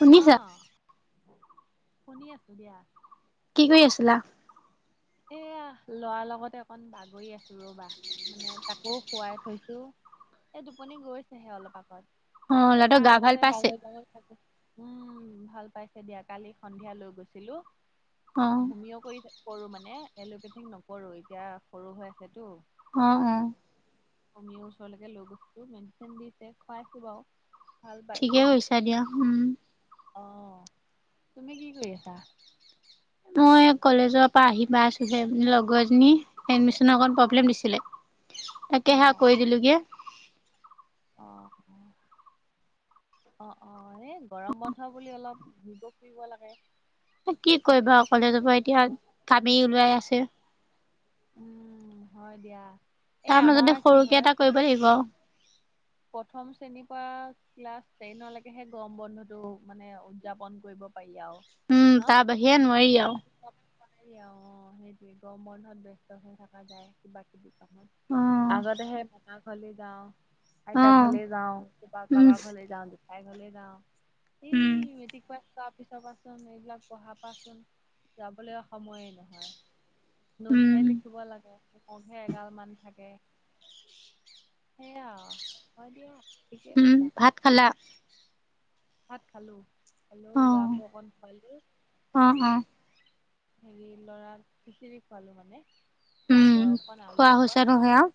শুনিছা অ', শুনি আছোঁ দিয়া', কি কৰি আছিলা? এয়া ল'ৰাৰ লগতে অকণ বাগৰি আছোঁ ৰবা', মানে তাকো শোৱাই থৈছোঁ, এই টোপনি গৈছেহে অলপ আগত', অ এই ল'ৰাটোৰ তাৰ গা ভাল লগতে পাইছে বাগৰি-বাগৰি থাকোঁ', উম', ভাল পাইছে দিয়া, কালি সন্ধিয়া লৈ গৈছিলোঁ, অ হোমিও কৰিছে', কৰোঁ মানে এলোপেথিক নকৰোঁ, এতিয়া সৰু হৈ আছেতো', অহ', -অহ', হোমিও ওচৰলৈকে লৈ গৈছোঁ, মেডিচিন দিছে খুৱাই আছোঁ বাৰু', ভাল ঠিকে পাইছে, কৰিছা দিয়া উম অহ', তুমি কি কৰি আছা? মই কলেজৰ পৰা আহি পাইছোঁ হে লগৰজনী', এডমিশনত অকণ অ প্ৰব্লেম দিছিলে, অ তাকে হেলপ কৰি দিলোঁ গে', অহ', - অ', অ', - অহ', এই গৰম বন্ধ বুলি অলপ ঘুৰিব ফুৰিব লাগে', কি কৰি বা অকলে যাব এতিয়া, কাবি ওলোৱাই আছে', উম', হয় দিয়া', এই তাৰ আমাৰ মাজতে কি সৰুকে হয় এটা কৰিব লাগিব', প্ৰথম শ্ৰেণীৰ পৰা', ক্লাছ টেনলৈকেহে গম বন্ধুটো মানে উদযাপন কৰিব পাৰি আৰু', উম', তাৰ বাহিৰে নোৱাৰি আৰু', পাৰি আৰু অ', সেইটোয়ে, গম বন্ধত ব্যস্ত হৈ থকা যায় কিবা', কিবি কামত, অ অ আগতে সেই ককা ঘৰলে যাওঁ', আইতা ঘৰলে উম যাওঁ, কিবা কাৰোবাৰ ঘৰলৈ যাওঁ, জেঠাই ঘৰলে যাওঁ, ই উম মেট্ৰিক পাছ', তাৰপিছৰ পৰাচোন এইবিলাক পঢ়া পাচোন যাবলৈ সময়ে নহয়', উম নোটহে লিখিব লাগে', হোমৱৰ্ক হে এগাল মান থাকে, সেইয়া আৰু হয় দিয়া', ঠিকেই উম', কৈছা ভাত খালা? ভাত খালোঁ, খালোঁ ল'ৰাকো অকণ খোৱালো', উম, উম, হেৰি লৰাক খিচিৰি খোৱালো মানে। উম গাজৰ অকণ আলু খোৱা অকণ হৈছে নহয় আৰু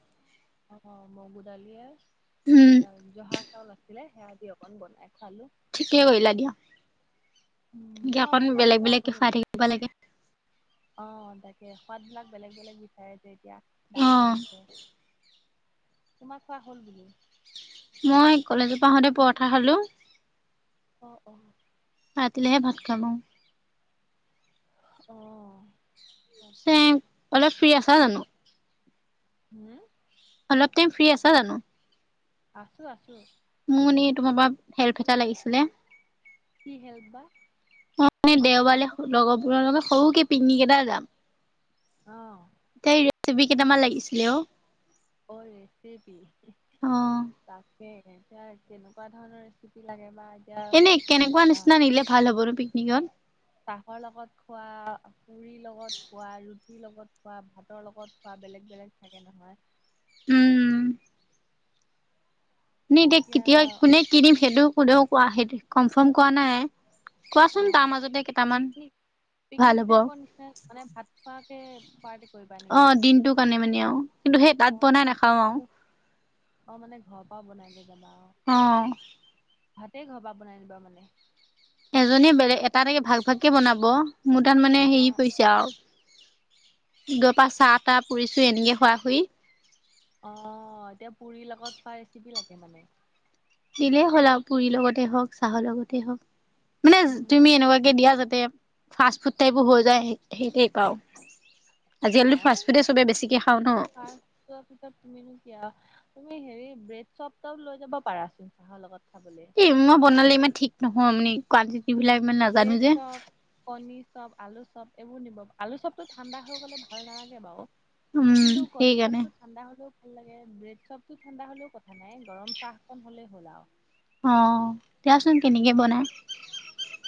অ, মগু দালিয়ে উম এয়া জহা চাউল আছিলে সেয়া দি অকন বনাই খুৱালোঁ। ঠিকে কৰিলা দিয়া। উম এনেকে তোমাৰ অকণ ভাত পানী খোৱা বেলেগ-বেলেগ কে হ'ল খাই থাকিব লাগে। অ, তাকে সোৱাদবিলাক বেলেগ-বেলেগ বিচাৰে। এতিয়া ডাঙৰ অ', হৈছে তোমাৰ খোৱা হ'ল বোলো। মই কলেজৰ পৰা আহোঁতে পৰঠা খালোঁ। অঁ, অঁ, ৰাতিলেহে ভাত খাম আৰু। অহ, পিছে তাকে। অলপ ফ্ৰী আছা জানো? হম, অলপ টাইম ফ্ৰী আছে জানো? আছোঁ-আছোঁ। মোৰ এনে তোমাৰ পৰা হেল্প এটা লাগিছিলে। কি হেল্প বা মানে দেওবাৰে কোৱাচোন লগৰবোৰৰ লগ সৰুকে পিকনিক এটা যাম। অ', এতিয়াই ৰেচিপি কেইটামান লাগিছিলে অঁ, অ, ৰেচেপি। অ', তাকে এতিয়া কেনেকুৱা ধৰণৰ ৰেচিপি লাগে বা? এতিয়া এনেই কেনেকুৱা নিচিনা নিলে ভাল হ'ব ন পিকনিকত? চাহৰ লগত খোৱা, পুৰিৰ লগত খোৱা ৰুট ৰুটি লগত খোৱা, ভাতৰ লগত খোৱা বেলেগ-বেলেগ থাকে নহয়। উম। এনেই এতিয়া কেতিয়া কোনে কি দিম সেইটো কোনেও কনফাৰ্ম কৰা নাই। অ কোৱাচোন তাৰ মাজতে কেইটামান, পিকনিক পিকনিক ভাল হ'ব। টাইপৰ নিচিনা মানে ভাত খোৱাকে পাৰট অ' দিনটো কাৰণে মানে আৰু কিন্তু সেই অ তাত বনাই নাখাও তাকেতো। আৰু। অ' মানে ঘৰৰ পৰাও বনাই লৈ যাবা অ, অহ, ভাতে ঘৰ পৰা বনাই নিবা মানে? এজনীয়ে বেলেগ এটা এটাকে ভাগ-ভাগকে বনাব মোৰ তাত মানে অ হেৰি কৰিছে আৰু। গৰ পৰা চাহ তাহ পুৰিছোঁ এনেকৈ খোৱা খুই। অ' এতিয়া পুৰি লগত পোৱা ৰেচিপি লাগে মানে? দিলেই হ'ল আৰু পুৰিৰ লগতে হওক, চাহৰ লগতে হওক। মানে তুমি উম এনেকুৱাকে দিয়া যাতে ফাষ্ট ফুড টাইপো হৈ যায় সেই টাইপ আও। আজিকালিতো ফাষ্ট ফুডে চবে বেছিকে খাওঁ ন। ি ত মেনু ক [unintelligible] তুমি হেৰি ব্ৰেড চপ ত লৈ যাব পাৰাচোন চাহৰ লগত খাবলে। মই বনালে ইমান ঠিক নহয় মানে কোৱালিটি। এইবিলাক মানে ব্ৰেড চপ, কণী চপ, আলু চব এইবোৰ নিব আলু চবতো ঠাণ্ডা হৈ গলে ভাল নালাগে বাৰু। উম কিন্তু কণী চব সেইকাৰণে তো ঠাণ্ডা হ'লেও ভাল লাগে ব্ৰেড চবটো ঠাণ্ডা হলেও কথা নাই গৰম চাহ অকণ হলেই হ'ল আৰু। অ' দিয়াচোন কেনেকে বনায়?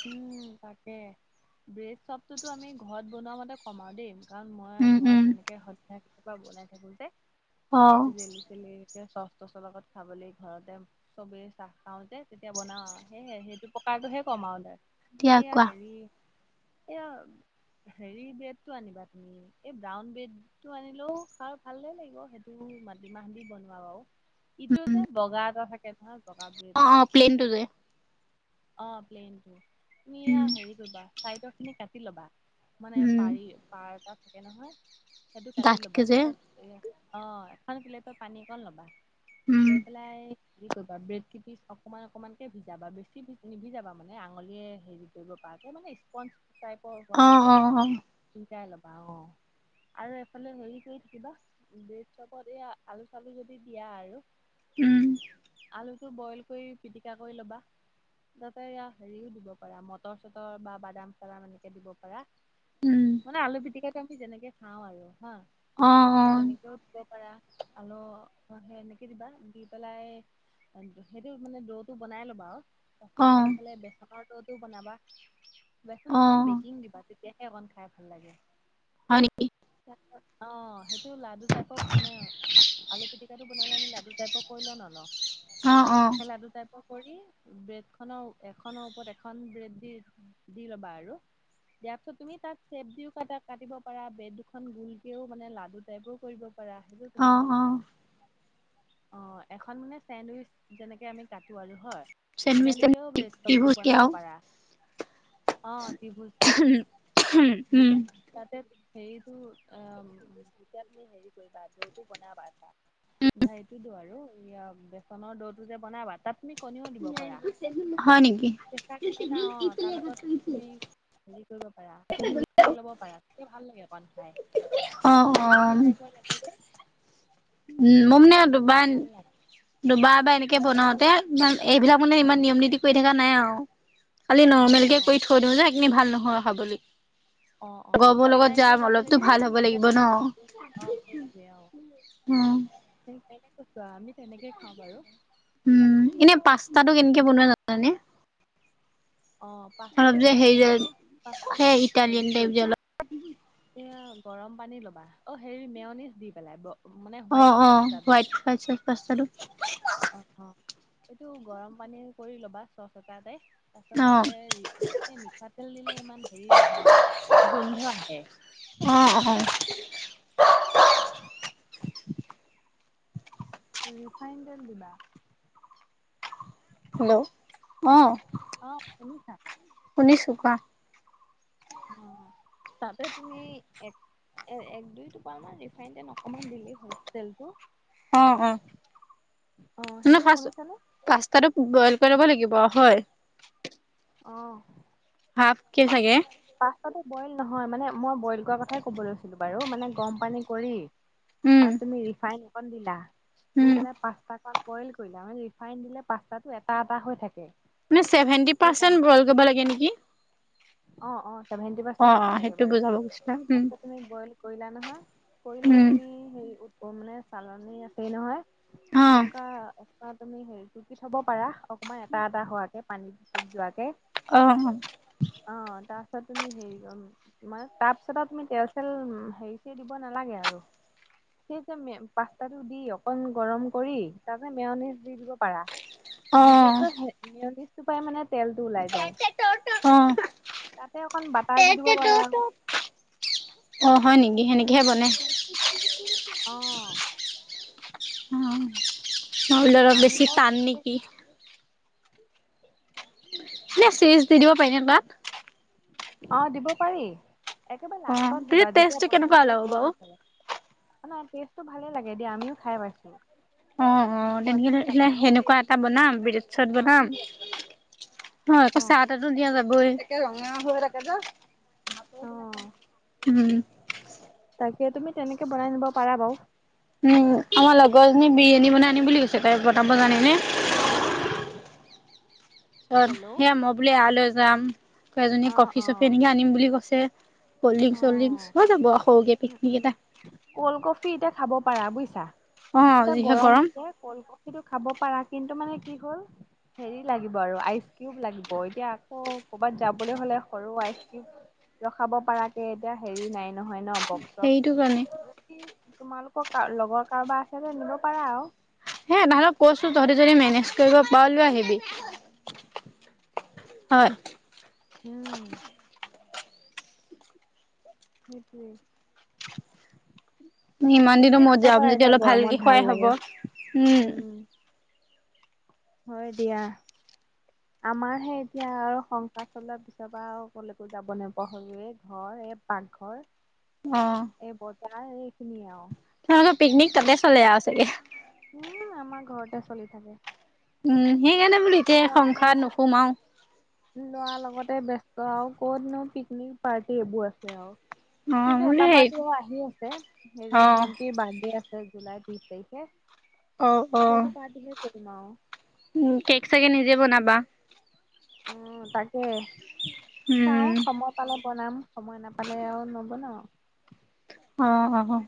উম, তাকে ব্ৰেড চবটোতো আমি ঘৰত বনোৱা মতে বনাও দেই, কাৰণ মই উম উম ঘৰত এনেকে সধ্য কেতিয়াবা বনাই থাকো যে। অ জেলি চেলি চ চৰ লগত খাবলৈ ঘৰতে' চবেই চাহ খাওঁ যে, তেতিয়া বনাও আৰু সেয়হে সেইটো প্ৰকাৰটোহে কম আৰু। দিয়া এয়া কোৱা হেৰি, এয়া হেৰি ব্ৰেডটো আনিবা তুমি, এই ব্ৰাউন ব্ৰেডটো আনিলেও খা ভালে লাগিব, সেইটো মাটিমাহ দি বনোৱা আৰু। ইটো যে বগা এটা থাকে তোমাৰ বগা ব্ৰেড অ অ এটা। প্লেনটো যে অ'প্লেইনটো, তুমিয়া উম হেৰি কৰিবা চাইডৰ খিনি কাটি ল'বা। মানে উম পাৰি, পাৰ এটা থাকে নহয়, সেইটো কাটি ডাঠকে ল'বা, যে তাপিছত এ, অ' এখন কলেপ পানী অকণ ল'বা, উম লৈ পেলাই- কি কৰিবা, ব্ৰেড কি পিচ অকনমান অকনমান কে ভিজাবা, বেছি নিহিজাবা, মানে আঙলিয়ে হেৰি কৰিব পৰাকৈ, মানে স্পঞজ টাইপৰ অ হোৱকে। অ অ সিকাই ল'বা অ'। আৰু এফালে হেৰি কৰি থাকিবা, ব্ৰেড চপত এই আলু চালু যদি দিয়া আৰু। উম। আলুটো বইল কৰি, পিটিকা কৰি ল'বা, তাতে এয়া হেৰিও দিব পাৰা, মটৰ-চটৰ বা বাদাম-চাদাম এনেকে দিব পাৰা। উম মানে আলু পিটিকাটো আমি যেনেকে খাওঁ আৰু হা, অ ত' তেনেকৈ দিব পাৰা, আল সেই এনেকে দিবা, দি পেলাই সেইটো মানে ৰৌটো বনাই ল'বা আৰু। কচা অ অ কৰি ফালে বেচনৰ ততো বনাবা, বেচন অ অকণমান বেকিং দিবা তে তেতিয়াহে অকন খাই ভাল লাগে। হয় নেকি? অ' সেইটো লাডু টাইপৰ মানে আলু পিটিকাটো বনালে আমি লাডু টাইপক কৰি লওঁ নলওঁ, অ অ সেই লাডু টাইপক কৰি, ব্ৰেড খনৰ এখনৰ ওপৰত এখন ব্ৰেড দি, দি ল'বা আৰু। দিয়াৰ পিছত তুমি তাক চেপ দিও কাটা কাটিব পাৰা, ব্ৰেড দুখন গোুলকেও মানে লাডু টাইপো কৰিব পাৰা, সেইটো অ তোমাৰ অ কথা আওঁ। অ', এখন মানে চেন্দউইচ যেনেকে আমি কাটো আৰু হয়। চেন্দউইচ তেনেকেও ব্ৰেড [unintelligible] চপটো বনাব পাৰা, অ ত্ৰিভুজ দি। উম তাতে হেৰিটো অ, যেতিয়া তুমি হেৰি কৰিবা, দৌটো বনাবা ধৰা নাই এইটোতো আৰু ইয়া বেচনৰ দৌটোযে বনাবা, তাত তুমি কণীও দিব পাৰা হয় নেকি? কেঁচা কণী এটা অ, তাৰ লগত তুমি হেৰি কৰিব পাৰা, তুমি [unintelligible] কৰি ল'ব পাৰা, তেতিয়া ভাল লাগে অকণ অ অ খাই। [unintelligible] লাগেজে। উম, মই মানে খাই দুবান ভাল লাগে দুবাৰ বা এনেকে বনাওঁতে [unintelligible] এইবিলাক মানে অ', ইমান নিয়ম -নীতি কৰি থকা নাই আৰু। খালি নৰ্মেল কে কৰি অ', থৈ দিওঁ যে, এইখিনি ভাল নহয় খাবলৈ। অ', অ', এনেই লগৰবোৰৰ ওলাই লগত কৰি যাম, যাব লাগিব অলপতো ভাল তুমি হ'ব এতিয়া লাগিব অ', ন'। সেইটোৱে অ'। উম। [unintelligible] আমি তেনেকে খাওঁ বাৰু। উম, এনে পাস্তাটো কেনেকে বনোৱা জানানে? অ', অলপ পাস্তাটো যে হেৰি বনাইছোঁ যে বাৰু সেই পাস্তাটো ইটালিয়ান হেৰি টাইপ যে কৰিবা অলপ এয়া গৰম পানী ল'বা, অ হেৰি মেওনিজ দি পেলাই মানে হোৱাইট পাস্তাটো। তাছত পাস্তাটো অ' অ', এইটো গৰম পানী কৰি ল'বা চচ এটাতে। তাৰছত অ', তাতে ৰি, এ মিঠাতেল দিলে ইমান হেৰি নহয় গোন্ধ আহে। অ', অ'হ। ৰিফাইন তেল দিবা। হেল্ল' অ। অ শুনিছা? শুনিছো। কোৱা? অ তাতে তুমি এক এ এক দুই টোপাল মান ৰিফাইন তেন অকমান দিলেই হ'ল তেলটো। অ অ অ হেল্ল' [unintelligible] শুনিছানে তাতো বইল কৰিব লাগিব হয়। অ। হাফ কে চাগে? পাস্তাটো বইল নহয় মানে মই বইল কৰা কথাই ক'ব লৈছিলো বাৰু মানে গৰম পানী কৰি উম, তাত তুমি ৰিফাইন অকন দিলা দি উম, পেলাই পাস্তা কন বইল কৰিলা মানে ৰিফাইন দিলে পাস্তাটো এটা এটা হৈ থাকে। আপোনাৰ ছেভেনটি পাৰ্চেন্ট সেইকাৰণে বইল কৰিব লাগে নেকি? অ অ ছেভেনণ্টি পাৰ্চেণ্ট অ', কৰিব অ', লাগে সেইটো বাৰু। বুজাব গৈছিলা উম, ফাষ্টত তুমি বইল কৰিলা নহয়, কৰিলে উম, তুমি সেই উ- অ মানে চালনী আছেই নহয়, অ', সেনেকুৱা এটাত তুমি হেৰি টুকি থ'ব পাৰা, অকণমান এটা- এটা হোৱাকে, পানী টুপ যোৱাকে অ। অ তাছত তুমি হেৰি অম- মানে তাত ছাতাব তুমি তেল চেল উম হেৰি চেৰি দিব নালাগে আৰু। সেই যে মে পাস্তাটো দি অকন গৰম কৰি তাতে মেয়নিজ দি দিব পাৰা। [inaudible] দি দিয়াৰ পা হে মেয়নিজটো পাই মানে তেলটো ওলাই যায়। [unintelligible] তাতে অকণ বাটাৰ দি দিব পাৰা। অ হয় নেকি সেনেকেহে বনে। অ। অ নহ'লে অলপ আমি বেছি মই টান নেকি? এ চিজ দি দিব পাৰিনে তাত? অ, দিব পাৰি। একেবাৰে অ লাষ্টত তেতিয়া দিবা, যেতিয়া টেষ্টটো বনাই কেনেকুৱা কৰি ওলাব হ'ল বাৰু সিফালে। নাই টেষ্টটো ভালে লাগে দিয়া, আমিও খাই পাইছো। অ অ, তেনেকে বনাই ধৰ হেলাই চামিও সেনেকুৱা এট- টা বনাম, ব্ৰেডচপ বনাম, হয় আকৌ অ' চাহ তাতো দিয়া যাবই। কে ৰঙা হৈ থাকে যে, অ' উম। তাকে, তুমি তেনেকে বনাই নিব পাৰা বাও। উম, আমাৰ লগৰজনী বিৰিয়ানী বনাই আনিম বুলি কৈছে, তাই বনাব জানে নে? অ, হেল্ল' সেইয়া মই বোলে এয়ালৈ যাম। লগৰজনীয়ে অ' কফি-চফি অ' এনেকে আনিম বুলি কৈছে, অ' কল্ডড্ৰিং- চলল্ড্ৰিং, হৈ যাব সৰুকে উম পিকনিক উম এটা। কল্ড কফি এতিয়া খাব পাৰা বুইছা, অ এতিয়া যিহে গৰম যে। ক'ল্ড কফিটো খাব পাৰা, কিন্তু মানে কি হ'ল? হেৰি লাগিব আৰু আইচ কিউব লাগিব। এতিয়া আকৌ কৰ'বাত যাবলৈ হ'লে, সৰু আইচ কিউব ৰখাব পাৰাকে এতিয়া হেৰি নাই নহয় ন, সেইটো কাৰণে বক-চক। গাখী- তোমালোকৰ কাৰ লগৰ কাৰোবাৰ আছে যে, নিব পাৰা আও। হে তাহতক কৈছো, তহতি যদি মেনেজ কৰিব পাৰ লৈ আহিবি। [inaudible] হয়। উম। সেইটোৱে। ইমান দিনৰ তেনেকে মূৰত খাব যাম পাৰা, যদি এতিয়া অলপ ভালকে গৰমত খোৱাই ভাল হ'ব লাগে। উম। হয় দিয়া। [inaudible] আমাৰহে এতিয়া আৰু সংসাৰ চলোৱাৰ পিছৰ পৰা আৰু ক'লেকো যাব নোৱাৰা হ'লোৱে, এই ঘৰ, এই পাকঘৰ। অ এই বজাৰ, এইখিনিয়ে আও তোমালোকৰ পিকনিক, তাতে চলে আও চাগে। উম' আমাৰ ঘৰতে চলি থাকে। উম' সেইকাৰণে বোলো, এতিয়া এই সংসাৰত নোসোমাওঁ। ল'ৰাৰ লগতে ব্যস্ত আৰু ক'ত নো পিকনিক, পাৰ্টি এইবোৰ আছে আও অ কিন্তু এটা বোলো সেই পাৰ্টি আহি আছে, হেৰি অ ভন্টিৰ বাৰ্থডে আছে, জুলাই ত্ৰিশ তাৰিখে। অ-অ, সেইটো পাৰ্টিহে কৰিম আৰু। উম'কেক চাগে নিজে বনাবা? উম' তাকে, চাওঁ উম সময় পালে বনাম। সময় নাপালে আও নবনাও। অ-অ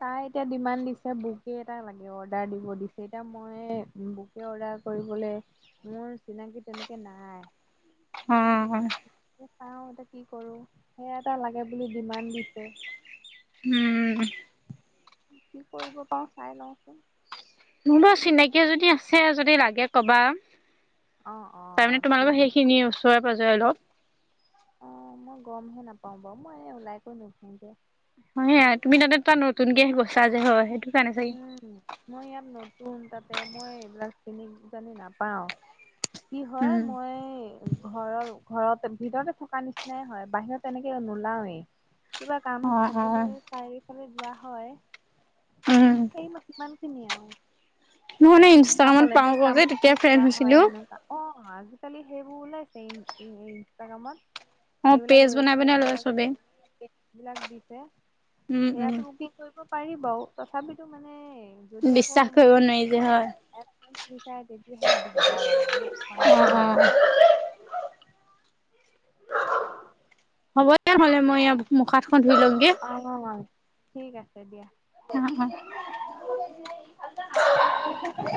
তাই এতিয়া ডিমাণ্ড দিছে, বুকে এটা লাগে। অৰ্ডাৰ দিব দিছে। এতিয়া মই বু বুকে অৰ্ডাৰ কৰিবলে, মোৰ চিনাকি তেনেকে নাই। অহ তাকে চাওঁ, এতিয়া কি কৰো? সেয়া এটা লাগে বুলি ডিমাণ্ড দিছে। উম' কি-কি কৰিব পাওঁ, চাই লওঁচোন। মোহলো চিনাকি এজনী আছে, যদি লাগে কবা। অঁ তাৰ অঁ মানে ঠিক তোমালোকৰ আছে সেইখিনিয়ে, ওচৰে- পাজৰে অলপ। অ' মই গম হে নাপাও বাওঁ মই ওলাই কৈ নুফো য়ে। বঢ়িয়াই তুমি তাতে তাত নতুনকে গৈছা যে হয় সেইটো। কাৰণে চাগে উম, মই ইয়াত নতুন তাতে মই এইবিলাক চিনি জানি নাপাওঁ। কি হয় উম মই ঘৰৰ ঘৰত ভিতৰতে থকা নিচিনাই হয় বাহিৰত তেনেকে নোলাওৱেই। কিবা কাম অ', থাকিলে অ', চাৰিফালে যোৱা হয়। উম। সেই কিমান খিনি আও মই মানে বা ইনষ্টাগ্ৰামত পাওঁ কলেজত কওঁ কাম যে তেতিয়া থাকিলে ফ্ৰেণ্ড যোৱা হয় হৈছিলো। সেনেকুৱা। অ' আজিকালি সেইবোৰ ওলাইছে ইনষ্টাগ্ৰামত। অ', এইবিলাগ পেজ বনাই ৱেবছাইট বনাই লয় বিলাক চবেই। বিলাক দিছে উম, উম সেয়াতো বুকিং কৰিব পাৰি বাৰু। তথাপিতো মানে বিশ্বাস কৰিব নোৱাৰি যে হয়। এদভানছ বিচাৰে তেতিয়াহে দিগদাৰ মানে সেইটো অ', সন্দেহ হয়। অ'। হ'ব দে নহলে মই মুখ হাতখন ধুই লও গে। অ, ঠিক আছে দিয়া। অ অ